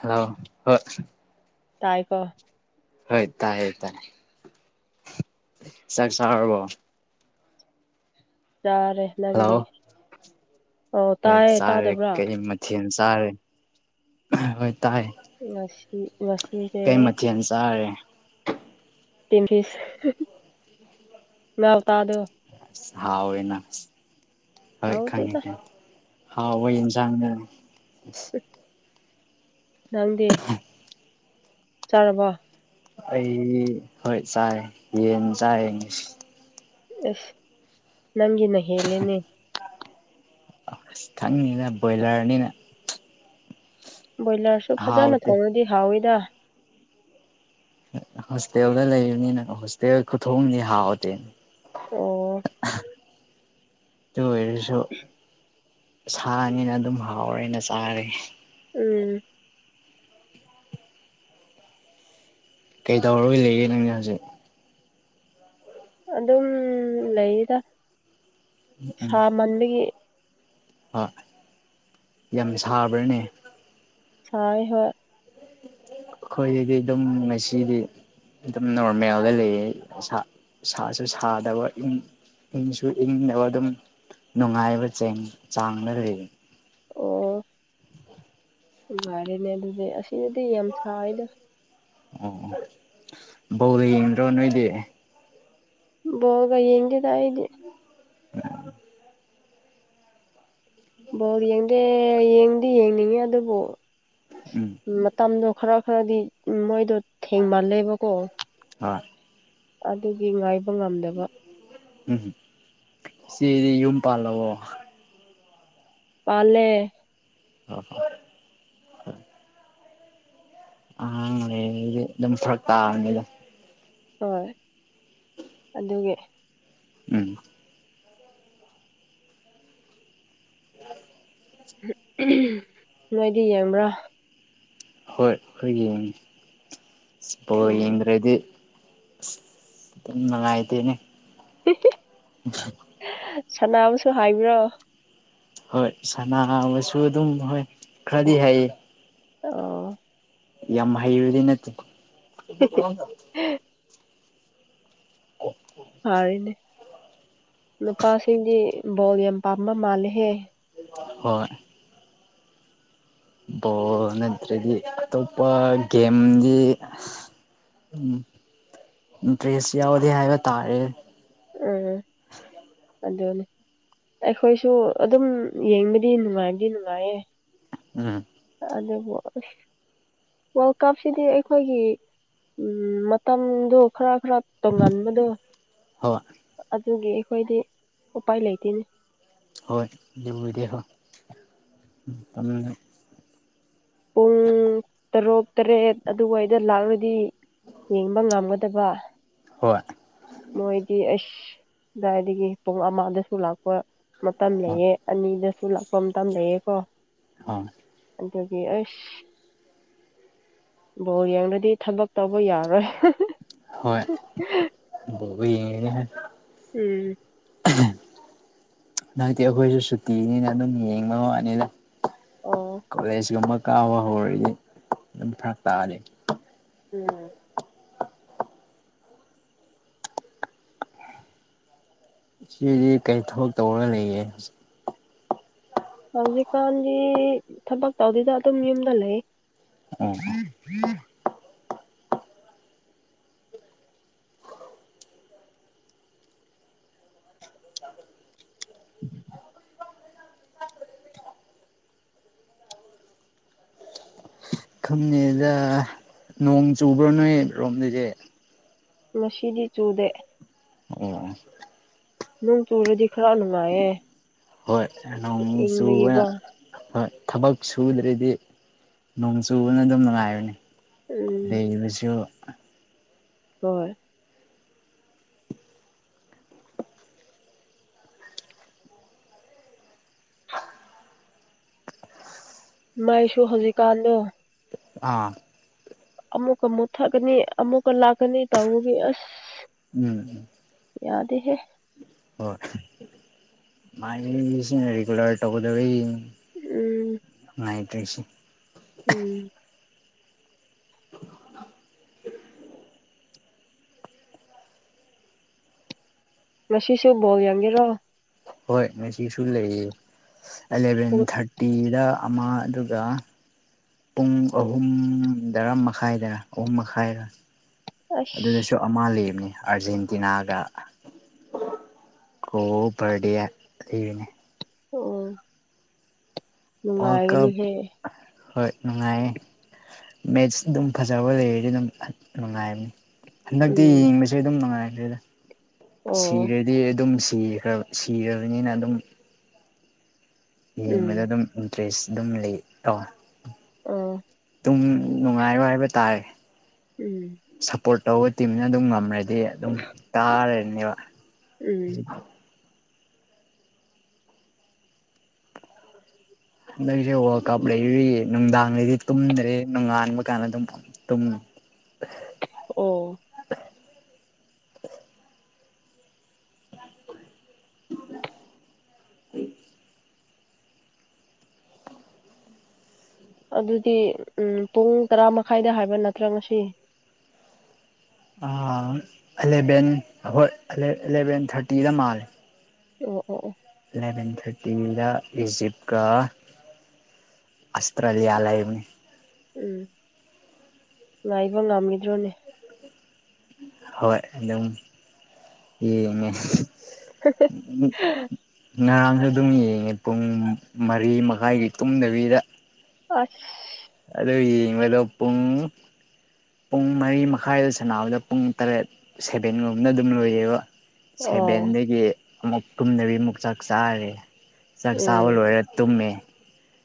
hello ꯍꯣ ꯇꯥꯏꯀꯣ ꯍꯣꯏ ꯇꯥꯏ ꯇꯥꯏ ꯆꯥꯛ ꯆꯥꯔꯕꯣ ꯆꯥꯔꯦ ꯍꯜꯂꯣ ꯅꯪꯗꯤ ꯑꯣ ꯇꯥꯏꯌꯦ ꯇꯥꯗꯕ꯭ꯔꯥ ꯊꯦꯜ ꯆꯥꯔꯦ ꯍꯣꯏ ꯇꯥꯏ ꯉꯁꯤ ꯃꯁꯤꯗꯦ ꯌꯦꯟ ꯆꯥꯔꯦ ꯇꯤꯟ ꯐꯤꯁ ꯉꯥ ꯎꯇꯥꯗꯨ ꯑꯁ ꯍꯥꯎꯔꯦꯅ ꯍꯣꯏ ꯈꯪꯉꯦ ꯍꯥꯎꯇꯦꯗ ꯈꯪꯉꯦ ꯍꯥꯎꯕꯩ ꯏꯟꯁꯥꯡꯅꯤ ꯅꯪꯗꯤ ꯆꯥꯔꯕꯣ ꯑꯩ ꯍꯣꯏ ꯆꯥꯏꯌꯦ ꯌꯦꯟ ꯆꯥꯏꯌꯦ ꯉꯁ ꯑꯦꯁ ꯅꯪꯒꯤꯅ ꯍꯦꯜꯂꯦꯅꯦ ꯑꯁ ꯈꯪꯉꯤꯅ ꯕꯣꯏꯂꯔꯅꯤꯅ ꯕꯣꯏꯂꯔꯁꯨ ꯐꯖꯅ ꯍꯥꯎꯇꯦ ꯊꯣꯡꯔꯗꯤ ꯍꯥꯎꯋꯤꯗ ꯍꯣꯁꯇꯦꯜꯗ ꯂꯩꯕꯅꯤꯅ ꯍꯣꯁꯇꯦꯜ ꯈꯨꯊꯣꯡꯗꯤ ꯍꯥꯥꯎꯇꯦꯅꯦ ꯑꯣ ꯑꯗꯨ ꯑꯣꯏꯔꯁꯨ ꯁꯥꯅꯤꯅ ꯑꯗꯨꯝ ꯍꯥꯎꯔꯦꯅ ꯆꯥꯔꯦ ꯎꯝ ꯀꯩꯗꯧꯔꯔꯣꯏ ꯂꯩꯒꯦ ꯅꯪ ꯍꯧꯖꯤꯛ ꯑꯗꯨꯝ ꯂꯩꯗ ꯁꯥ ꯃꯟꯕꯒꯤ ꯑ ꯌꯥꯝ ꯁꯥꯕ꯭ꯔꯥꯅꯦ ꯁꯥꯏꯌꯦ ꯍꯣꯏ ꯑꯈꯣꯏꯒꯤꯗꯤ ꯑꯗꯨꯝ ꯉꯁꯤꯗꯤ ꯑꯗꯨꯝ ꯅꯣꯔꯃꯦꯜꯗ ꯂꯩꯌꯦ ꯁꯥ ꯁꯥꯁꯨ ꯁꯥꯗꯕ ꯏꯪ ꯏꯪꯁꯨ ꯏꯪꯗꯕ ꯑꯗꯨꯝ ꯅꯨꯡꯉꯥꯏꯕ ꯆꯦꯡ ꯆꯥꯡꯗ ꯂꯩꯌꯦ ꯑꯣ ꯅꯨꯉꯥꯏꯔꯦꯅꯦ ꯑꯗꯨꯗꯤ ꯑꯁꯤꯗꯗꯤ ꯌꯥꯝ ꯁꯥꯏꯗ ꯑꯣ ꯕ‌ꯣꯜ ꯌꯦꯡꯗ꯭ꯔꯣ ꯅꯣꯏꯗꯤ ꯕ‌ꯣꯜꯒ ꯌꯦꯡꯗ‌ꯦꯗ ꯑꯩꯗꯤ ꯕ‌ꯣꯜ ꯌꯦꯡꯗꯦ ꯌꯦꯡꯗꯤ ꯌꯦꯡꯅꯤꯡꯉꯤ ꯑꯗꯨꯕꯨ ꯎꯝ ꯃꯇꯝꯗꯣ ꯈꯔ ꯈꯔꯗꯤ ꯃꯣꯏꯗꯣ ꯊꯦꯡꯃꯜꯂꯦꯕꯀꯣ ꯍꯣꯏ ꯑꯗꯨꯒꯤ ꯉꯥꯏꯕ ꯉꯝꯗꯕ ꯎꯝ ꯍꯨꯝ ꯏꯆ‌ꯦꯗꯤ ꯌꯨꯝ ꯄꯥꯜꯂꯕꯣ ꯄꯥꯜꯂꯦ ꯑꯣ ꯍ ꯑꯉꯥꯡ ꯂꯩꯔꯗꯤ ꯑꯗꯨꯝ ꯐꯔꯛ ꯇꯥꯕꯅꯤꯗ ꯍꯣꯏ ꯑꯗꯨꯒꯤ ꯎꯝ ꯅꯣꯏꯗꯤ ꯌꯦꯡꯕ꯭ꯔꯥ ꯍꯣꯏ ꯑꯈꯣꯏ ꯌꯦꯡꯉꯤ ꯕꯣꯜ ꯎꯝ ꯌꯦꯡꯗ꯭ꯔꯗꯤ ꯑꯁ ꯇꯨꯝ ꯅꯨꯡꯉꯥꯏꯇꯦꯅꯦ [unintelligible] ꯁꯅꯥꯕꯁꯨ ꯍꯥꯏꯕ꯭ꯔꯣ ꯍꯣꯏ ꯁꯥꯟꯅꯥꯕꯁꯨ ꯑꯗꯨꯝ ꯍꯣꯏ ꯈꯔꯗꯤ ꯍꯩꯌꯦ ꯑꯣ ꯌꯥꯝ ꯍꯩꯕꯗꯤ ꯅꯠꯇ‌ꯦ ꯑꯣ ꯐꯔ‌ꯦꯅꯦ ꯅꯨꯄꯥꯁꯤꯡꯗꯤ ꯕꯣꯜ ꯌꯥꯝ ꯄꯥꯝꯕ ꯃꯥꯜꯂꯦꯍꯦ ꯍꯣꯏ ꯕꯣꯜ ꯅꯠꯇ꯭ꯔꯗꯤ ꯑꯇꯣꯞꯄ ꯒꯦꯝꯗꯤ ꯎꯝ ꯏꯟꯇ꯭ꯔꯦꯁ ꯌꯥꯎꯗꯦ ꯍꯥꯏꯕ ꯇꯥꯔꯦ ꯎꯝ ꯑꯗꯨꯅꯤ ꯑꯩꯈꯣꯏꯁꯨ ꯑꯗꯨꯝ ꯌꯦꯡꯕꯗꯤ ꯅꯨꯡꯉꯥꯏꯕꯗꯤ ꯅꯨꯡꯉꯥꯏꯌꯦ ꯎꯝ ꯑꯗꯨꯕꯨ ꯑꯁ ꯋꯥꯔꯜ ꯀꯞꯁꯤꯗꯤ ꯑꯩꯈꯣꯏꯒꯤ ꯎꯝ ꯃꯇꯝꯗꯨ ꯈꯔ ꯈꯔ ꯇꯣꯡꯉꯥꯟꯕꯗꯣ ꯍ‌ꯣꯏ ꯑꯗꯨꯒꯤ ꯑꯩꯈꯣꯏꯗꯤ ꯎꯄꯥꯏ ꯂꯩꯇ‌ꯦꯅ‌ꯦ ꯍꯣꯏ ꯗꯨꯕꯨꯗꯤ ꯍ‌ꯣ ꯇꯝꯅ ꯄꯨꯡ ꯇꯔꯨꯛ ꯇꯔꯦꯠ ꯑꯗꯨꯋꯥꯏꯗ ꯂꯥꯛꯔꯗꯤ ꯌꯦꯡꯕ ꯉꯝꯒꯗꯕ ꯍꯣꯏ ꯃꯣꯏꯗꯤ ꯑꯩꯁ ꯀꯗꯥꯏꯗꯒꯤ ꯄꯨꯡ ꯑꯃꯗꯁꯨ ꯂꯥꯛꯄ ꯃꯇꯝ ꯍꯣꯏ ꯂꯩꯌ‌ꯦ ꯑꯅꯤꯗꯁꯨ ꯂꯥꯛꯄ ꯃꯇꯝ ꯂꯩꯌ‌ꯦꯀꯣ ꯑ ꯑꯗꯨꯒꯤ ꯑꯩꯁ ꯕꯣꯜ ꯌꯦꯡꯔꯗꯤ ꯊꯕꯛ ꯇꯧꯕ ꯌꯥꯔꯣꯏ ꯍꯣꯏ ꯕ‌ꯣꯒ ꯌꯦꯡꯉꯅꯤꯍꯦ ꯎꯝ ꯍꯟꯇꯛꯇꯤ ꯑꯈꯣꯏꯁꯨ ꯁꯨꯇꯤꯅꯤꯅ ꯑꯗꯨꯝ ꯌꯦꯡꯕ ꯋꯥꯅꯤꯗ ꯑꯣ ꯀꯣꯂꯦꯖ ꯀꯨꯝꯕ ꯀꯥꯕ ꯍꯧꯔꯗꯤ ꯑꯗꯨꯝ ꯐꯔꯛ ꯇꯥꯅꯤ ꯎꯝ ꯁꯤꯗꯤ ꯀꯔꯤ ꯊꯕꯛ ꯇꯧꯔꯒ ꯂꯩꯌꯦ ꯍꯧꯖꯤꯛꯀꯥꯟꯗꯤ ꯊꯕꯛ ꯇꯧꯗꯦꯗ ꯑꯗꯨꯝ ꯌꯨꯝꯗ ꯂꯩ ꯑꯣ [inaudible] ꯈꯪꯅꯦꯗ ꯅꯣꯡ ꯆꯨꯕ꯭ꯔꯣ ꯅꯣꯏ ꯔꯣꯝꯗꯗꯤ ꯉꯁꯤꯗꯤ ꯆꯨꯗꯦ ꯑꯣ ꯑꯣ ꯅꯣꯡ ꯆꯨꯔꯗꯤ ꯈꯔ ꯅꯨꯡꯉꯥꯏꯌꯦ ꯍꯣꯏ ꯅꯣꯡ‌ ꯆꯨꯕꯅ ꯏꯪꯕꯒꯤꯀꯣ ꯍꯣꯏ ꯊꯕꯛ ꯁꯨꯗ꯭ꯔꯗꯤ ꯅꯣꯡ ꯆꯨꯕꯅ ꯑꯗꯨꯝ ꯅꯨꯡꯉꯥꯏꯕꯅꯤ ꯎꯝ ꯕꯩꯕꯁꯨ ꯍꯣꯏ ꯃꯥꯏꯁꯨ ꯍꯧꯖꯤꯛꯀꯥꯟꯗꯣ ꯑꯥ ꯑꯃꯨꯛꯀ ꯃꯨꯠꯊꯛꯒꯅꯤ ꯑꯃꯨꯛꯀ ꯂꯥꯛꯀꯅꯤ ꯇꯧꯕꯒꯤ ꯑꯁ ꯎꯝ ꯌꯥꯗꯦꯍꯦ ꯍꯣꯏ ꯃꯩꯁꯤꯅ ꯔꯤꯒꯨꯂ꯭ꯔ ꯇꯧꯒꯗꯧꯕꯩ ꯎꯝ ꯅꯨꯡꯉꯥꯏꯇ꯭ꯔꯤꯁꯤ ꯎꯝ ꯉꯁꯤꯁꯨ ꯕꯣꯜ ꯌꯦꯡꯉꯤꯔꯣ ꯍꯣꯏ ꯉꯁꯤꯁꯨ ꯂꯩꯌꯦ ꯑꯦꯂꯚꯦꯟ ꯄꯨꯡ ꯊꯥꯔꯇꯤꯗ ꯑꯃ ꯑꯗꯨꯒ ꯄꯨꯡ ꯑꯍꯨꯝꯗꯔꯥ ꯃꯈꯥꯏꯗꯔ ꯑꯍꯨꯝ ꯃꯈꯥꯏꯔ ꯑꯗꯨꯗꯁꯨ ꯑꯁ ꯑꯃ ꯂꯩꯕꯅꯤ ꯑꯥꯔꯖꯦꯟꯇꯤꯅꯥꯒ ꯀꯣ ꯄꯔꯗꯦ ꯂꯩꯅꯦ ꯑꯣ ꯋꯥꯔꯜ ꯀꯞ ꯅꯨꯡꯉꯥꯏꯒꯅꯤꯍꯦ ꯍꯣꯏ ꯅꯨꯡꯉꯥꯏꯌꯦ ꯃꯦꯠꯁ ꯑꯗꯨꯝ ꯐꯖꯕ ꯂꯩꯔꯗꯤ ꯑꯗꯨꯝ ꯅꯨꯡꯉꯥꯏꯕꯅꯤ ꯍꯟꯗꯛꯇꯤ ꯎꯝ ꯌꯦꯡꯕꯁꯦ ꯑꯗꯨꯝ ꯅꯨꯡꯉꯥꯏꯈ꯭ꯔꯦꯗ ꯑꯣ ꯁꯤꯔꯗꯤ ꯑꯗꯨꯝ ꯁꯤꯈ꯭ꯔꯕ ꯁꯤꯔꯕꯅꯤꯅ ꯑꯗꯨꯝ ꯎꯝ ꯌꯦꯡꯕꯗ ꯑꯗꯨꯝ ꯏꯟꯇꯔꯦꯁ ꯑꯗꯨꯝ ꯂꯩ ꯇꯣ ꯎꯝ ꯑꯗꯨꯝ ꯅꯨꯡꯉꯥꯏꯕ ꯍꯥꯏꯕ ꯇꯥꯥꯏꯔꯦ ꯎꯝ ꯁꯞꯄꯣꯔꯠ ꯇꯧꯕ ꯇꯤꯝꯅ ꯑꯗꯨꯝ ꯉꯝꯔꯗꯤ ꯑꯗꯨꯝ ꯇꯥꯔꯅꯦꯕ ꯎꯝ ꯍꯟꯗꯛꯁꯦ ꯋꯥꯔꯜ ꯀꯞ ꯂꯩꯔꯤꯔꯤꯌꯦ ꯅꯨꯡꯗꯥꯡꯉꯩꯗꯤ ꯇꯨꯝꯗ꯭ꯔꯦ ꯅꯣꯡꯉꯥꯟꯕ ꯀꯥꯟꯗ ꯑꯗꯨꯝ ꯇꯨꯝ ꯑꯣ ꯍꯣꯏ ꯑꯗꯨꯗꯤ ꯎꯝ ꯄꯨꯡ ꯇꯔꯥ ꯃꯈꯥꯏꯗ ꯍꯥꯏꯕ ꯅꯠꯇ꯭ꯔꯥ ꯉꯁꯤ ꯑ ꯑꯦꯂꯚꯦꯟ ꯑꯍꯣꯏ ꯑꯦꯂ ꯑꯦꯂꯚꯦꯟ ꯊꯥꯔꯇꯤꯗ ꯃꯥꯜꯂꯦ ꯑꯣ ꯑꯣ ꯑꯣ ꯏꯂꯚꯦꯟ ꯊꯥꯔꯇꯤꯗ ꯏꯖꯤꯞꯀ ꯑꯁꯇ꯭ꯔꯂꯤꯌ ꯂꯩꯕꯅꯤ ꯎꯝ ꯉꯥꯏꯕ ꯉꯝꯃꯤꯗ꯭ꯔꯣꯅꯦ ꯍꯣꯏ ꯑꯗꯨꯝ ꯌꯦꯡꯉꯦ ꯃꯨꯛ ꯉꯔꯥꯡꯁꯨ ꯑꯗꯨꯝ ꯌꯦꯡꯉꯦ ꯄꯨꯡ ꯃꯔꯤ ꯃꯈꯥꯏꯒꯤ ꯇꯨꯝꯗꯕꯤꯗ ꯑꯁ ꯑꯗꯣ ꯌꯦꯡꯕꯗꯣ ꯄꯨꯡ ꯄꯨꯡ ꯃꯔꯤ ꯃꯈꯥꯏꯗ ꯁꯥꯟꯅꯕꯗ ꯄꯨꯡ ꯇꯔꯦꯠ ꯁꯦꯚꯦꯟꯒꯨꯝꯕꯅ ꯑꯗꯨꯝ ꯂꯣꯏꯌꯦꯕ ꯑꯣ ꯁꯚꯦꯟꯗꯒꯤ ꯑꯃꯨꯛ ꯇꯨꯝꯗꯕꯤ ꯑꯃꯨꯛ ꯆꯥꯛ ꯆꯥꯔꯦ ꯆꯥꯛ ꯆꯥꯕ ꯎꯝ ꯂꯣꯏꯔ ꯇꯨꯝꯃꯦ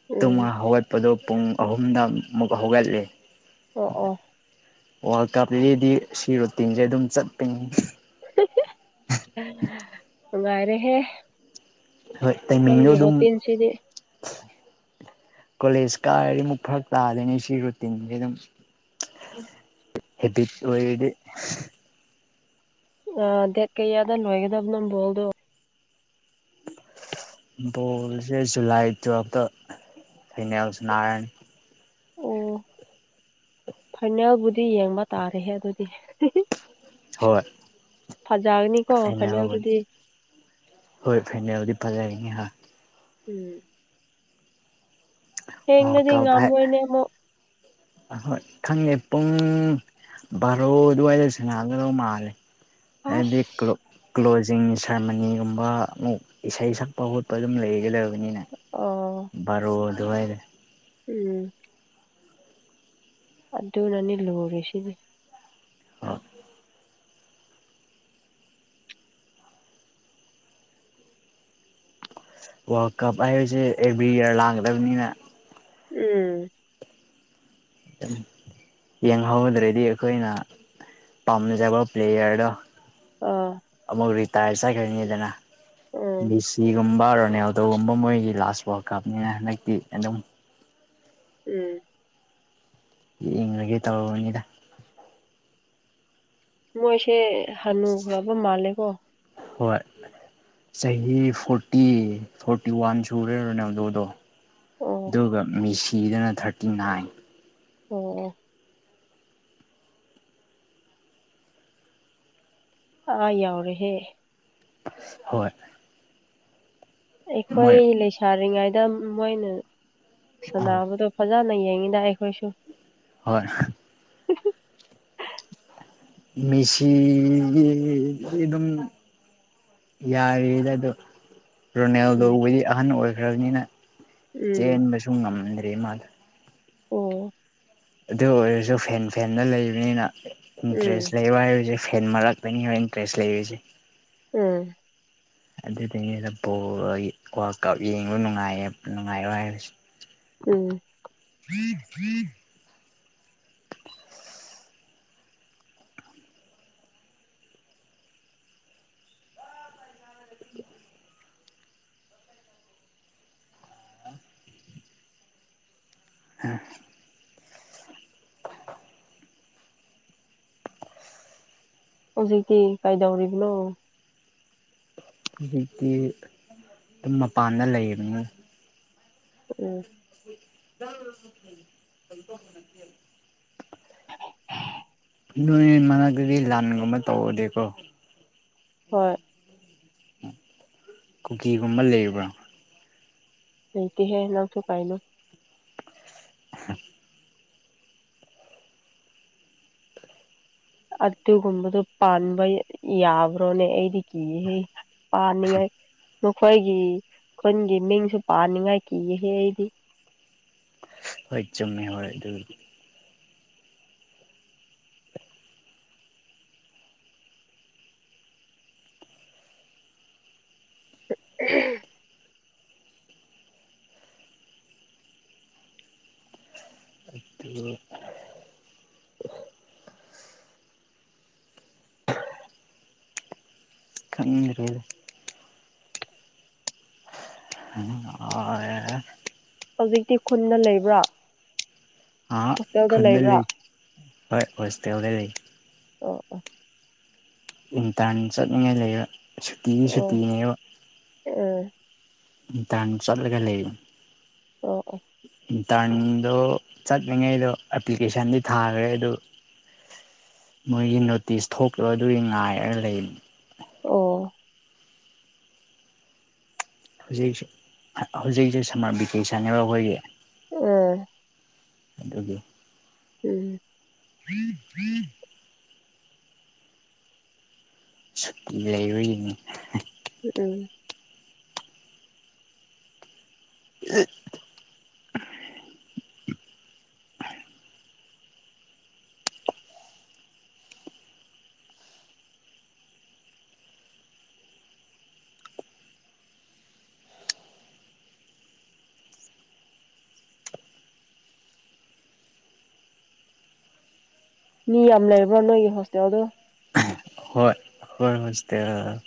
ꯎꯝ ꯇꯨꯝꯉꯒ ꯍꯧꯒꯠꯄꯗꯨ ꯄꯨꯡ ꯑꯍꯨꯝꯗ ꯑꯃꯨꯛ ꯍꯧꯒꯠꯂꯤ ꯑꯣ ꯑꯣ ꯋꯥꯔꯜ ꯀꯞꯇꯗꯤꯗꯤ ꯁꯤ ꯔꯨꯇꯤꯟꯁꯦ ꯑꯗꯨꯝ ꯆꯠꯄꯅꯤꯍꯦ ꯅꯨꯡꯉꯥꯏꯔꯦꯍꯦ ꯍꯣꯏ ꯇꯩꯃꯤꯡꯗꯣ ꯅꯪꯒꯤ ꯑꯗꯨꯝ ꯔꯣꯇꯤꯟꯁꯤꯗꯤ [inaudible] ꯀꯣꯂꯦꯖ ꯀꯥꯔꯗꯤ ꯑꯃꯨꯛ ꯐꯔꯛ ꯇꯥꯗꯣꯏꯅꯤ ꯁꯤ ꯔꯨꯇꯤꯟꯁ ꯑꯗꯨꯝ ꯍꯦꯕꯤꯠ ꯑꯣꯏꯔꯗꯤ ꯑ ꯗꯦꯠ ꯀꯩꯌꯥꯗ ꯂꯣꯏꯒꯗꯕꯅꯣ ꯕꯣꯜꯗꯣ ꯕꯣꯜꯁꯦ ꯖꯨꯂꯥꯏ ꯇꯨꯋꯜꯐꯇ ꯐꯥꯏꯅꯦꯜ ꯁꯥꯅꯥꯔꯅꯤ ꯑꯣ ꯐꯥꯏꯅꯦꯜꯕꯨꯗꯤ ꯌꯦꯡꯕ ꯇꯥꯔꯦꯍꯦ ꯑꯗꯨꯗꯤ ꯍꯣꯏ ꯐꯖꯒꯅꯤꯀꯣ ꯐꯥꯏꯅꯦꯜꯕꯨꯗꯤ ꯐꯥꯏꯅꯦꯜꯗꯨꯗꯤ ꯍꫭꯏ ꯐꯥꯏꯅꯦꯜꯗꯤ ꯐꯖꯍꯟꯅꯤꯉꯤ ꯍꯥ ꯎꯝ ꯋꯥꯔꯜ ꯊꯦꯡꯂꯗꯤ ꯉꯝꯃꯣꯏꯅꯦ ꯑꯃꯨꯛ ꯑ ꯍꫭꯏ ꯈꯪꯗꯦ ꯄꯨꯡ ꯕꯥꯔꯣ ꯑꯗꯨꯋꯥꯏꯗ ꯁꯟꯅꯒꯗꯧ ꯃꯥꯜꯂꯦ ꯍꯥꯏꯗꯤ ꯀ꯭ꯂꯣ ꯑꯁ ꯀ꯭ꯂꯣꯖꯤꯡ ꯁꯦꯔꯃꯅꯤꯒꯨꯝꯕ ꯑꯃꯨꯛ ꯏꯁꯩ ꯁꯛꯄ ꯈꯣꯠꯄ ꯑꯗꯨꯝ ꯂꯩꯒꯗꯕꯅꯤꯅ ꯑꯣ ꯕꯥꯔꯣ ꯑꯗꯨꯋꯥꯥꯏꯗ ꯎꯝ ꯑꯗꯨꯅꯅꯤ ꯂꯨꯔꯤꯁꯤꯕꯤ ꯑ ꯋꯥꯔꯜ ꯀꯞ ꯍꯥꯏꯔꯤꯁꯦ ꯑꯦꯕ꯭ꯔꯤ ꯏꯌꯔ ꯂꯥꯛꯗꯕꯅꯤꯅ ꯎꯝ ꯌꯦꯡꯍꯧꯗ꯭ꯔꯗꯤ ꯑꯩꯈꯣꯏꯅ ꯄꯥꯝꯅꯖꯕ ꯄ꯭ꯂꯦꯌꯔꯗꫭ ꯑꯥ ꯑꯃꯨꯛ ꯔꯤꯇꯥꯌꯔ ꯆꯠꯈ꯭ꯔꯅꯤꯗꯅ ꯎꯝ ꯃꯤ ꯁꯤ ꯅꫭꯡ ꯒꯨꯝꯕ ꯔꯣꯅꯥꯜꯗꯣꯒꯨꯝꯕ ꯃꯣꯏꯒꯤ ꯂꯥꯁ ꯋꯥꯔꯜ ꯀꯞꯅꯤꯅ ꯍꯟꯗꯛꯇꯤ ꯑꯗꯨꯝ ꯎꯝ ꯌꯦꯡꯂꯒꯦ ꯇꯧꯔꯨꯕꯅꯤꯗ ꯃꯣꯏꯁꯦ ꯍꯅꯨꯈ꯭ꯔꯕ ꯃꯥꯜꯂꯦꯀꯣ ꯍꯣꯏ ꯆꯍꯤ ꯐꯣꯔꯇꯤ ꯐꯣꯔꯇꯤ ꯋꯥꯟ ꯁꯨꯔꯦ ꯔꫭꯅꯥꯜꯗꫭ ꯗꫭ ꯑꯣ ꯑꯗꯨꯒ ꯃꯦꯁꯤꯗꯅ ꯊꯥꯔꯇꯤ ꯅꯥꯏꯟ ꯑꯣ ꯑ ꯌꯥꯎꯔꯦꯍꯦ ꯍꯣꯏ ꯃꯣꯏ ꯑꯩꯈꯣꯏ ꯂꯩꯁꯥꯔꯤꯉꯩꯗ ꯃꯣꯏꯅ ꯑꯥ ꯁꯥꯟꯅꯕꯗꯣ ꯐꯖꯅ ꯌꯦꯡꯉꯤꯗ ꯑꯩꯈꯣꯏꯁꯨ ꯍꯣꯏ ꯎ ꯃꯤꯁꯤꯒꯤ ꯗꯤ ꯑꯗꯨꯝ ꯌꯥꯔꯤꯗ ꯑꯗꯣ ꯎꯝ ꯔꯣꯅꯦꯜꯗꯣꯈꫭꯏꯗꯤ ꯑꯍꯟ ꯑꯣꯏꯈ꯭ꯔꯕꯅꯤꯅ ꯎꯝ ꯆꯦꯟꯕꯁꯨ ꯉꯝꯗ꯭ꯔꯦ ꯃꯥꯗꫭ ꯑꯣ ꯑꯗꯨ ꯑꯣꯏꯔꯁꯨ ꯐꯦꯟ ꯐꯦꯟꯗ ꯂꯩꯕꯅꯤꯅ ꯏꯟꯇ꯭ꯔꯦꯁ ꯎꯝ ꯂꯩꯕ ꯍꯥꯏꯕꯁꯦ ꯐꯦꯟ ꯃꯔꯛꯇꯅꯤ ꯍꫭꯏ ꯏꯟꯇ꯭ꯔꯦꯁ ꯂꯩꯔꯤꯁꯦ ꯎꯝ ꯑꯗꯨꯗꯨꯏꯅꯤꯗ ꯕꯣꯜ ꯋꯥꯔꯀꯞ ꯌꯦꯡꯕ ꯅꯨꯡꯉꯥꯏꯌꯦ ꯅꯨꯡꯉꯥꯏꯕ ꯍꯥꯏꯕꯁꯤ ꯎꯝ ꯐ꯭ꯔꯤ ꯐ꯭ꯔꯤ ꯑꯝ [inaudible] ꯍꯧꯖꯤꯛꯇꯤ ꯀꯩꯗꯧꯔꯤꯕꯅꯣ ꯍꯧꯖꯤꯛꯇꯤ ꯑꯗꯨꯝ ꯃꯄꯥꯟꯗ ꯂꯩꯔꯤꯕꯅꯤ ꯎꯝ [unintelligible] [inaudible] ꯅꯣꯏ ꯃꯅꯥꯛꯇꯗꯤ ꯂꯥꯟꯒꯨꯝꯕ ꯇꯧꯔꯗꯤꯀꯣ ꯍꯣꯏ ꯀꯨꯀꯤꯒꯨꯝꯕ ꯂꯩꯕ꯭ꯔꯥ ꯂꯩꯇꯦꯍꯦ ꯅꯪꯁꯨꯨ ꯀꯩꯅꯣ [unintelligible] ꯑꯗꯨꯒꯨꯝꯕꯗꯨꯣ ꯄꯥꯟꯕ ꯌꯥꯕ꯭ꯔꯣꯅꯦ ꯑꯩꯗꯤ ꯀꯤꯍꯦ ꯄꯥꯅꯤꯡꯉꯥꯏ ꯃꯈꯣꯏꯒꯤ ꯈꯨꯟꯒꯤ ꯃꯤꯡꯁꯨ ꯄꯥꯅꯤꯡꯉꯥꯏ ꯀꯤꯍꯦ ꯑꯩꯗꯤ ꯍꯣꯏ ꯆꯨꯝꯃꯤ ꯍꯣꯏ ꯑꯗꯨ [unintelligible] ꯑꯗꯨ ꯈꯪꯗ꯭ꯔꯦꯗ ꯑꯣ ꯍꯧꯖꯤꯛꯇꯤ ꯈꯨꯟꯗ ꯂꯩꯕ꯭ꯔꯥ ꯑ ꯍꯣꯁꯇꯦꯜꯗ ꯈꯨꯟꯗ ꯂꯩꯕ꯭ꯔꯥ ꯂꯩ ꯍꯣꯏ ꯍꯣꯁꯇꯦꯜꯗ ꯂꯩ ꯑꯣ ꯑꯣꯥ ꯏꯟꯇꯔꯟ ꯆꯠꯅꯤꯡꯉꯥꯏ ꯂꯩꯕ ꯁꯨꯇꯤꯗꯤ ꯑꯣ ꯁꯨꯇꯤꯅꯦꯕ ꯎꯝ ꯏꯟꯇꯔꯟ ꯆꯠꯂꯒ ꯂꯩ ꯑꯣ ꯑꯣ ꯏꯟꯇꯔꯟꯗꯣ ꯆꯠꯂꯤꯉꯩꯗꯣ ꯑꯦꯄ꯭ꯂꯤꯀꯦꯁꯟꯗꯤ ꯊꯥꯈ꯭ꯔꯦ ꯑꯗꯨ ꯃꯣꯏꯒꯤ ꯅꯣꯇꯤꯁ ꯊꯣꯛꯔꯣ ꯑꯗꯨꯒꯤ ꯉꯥꯏꯔꯒ ꯂꯩꯕꯅꯤ ꯑꯣ ꯍꯧꯖꯤꯛꯁꯨ ꯍꯧꯖꯤꯛꯁꯦ ꯁꯝꯃꯔ ꯚꯦꯀꯦꯁꯟꯅꯦꯕ ꯑꯈꯣꯏꯒꯤ ꯎꯝ ꯑꯗꯨꯒꯤ ꯎꯝ ꯎ ꯎ ꯁꯠ ꯂꯩꯔꯨꯏꯅꯤ ꯎꯝ [inaudible] ꯃꯤ ꯌꯥꯝ ꯂꯩꯕ꯭ꯔꯣ ꯅꯣꯏꯒꯤ ꯍꯣꯁꯇꯦꯜꯗꯣ ꯍꯣꯏ ꯍꯣꯏ ꯍꯣꯁꯇꯦꯜ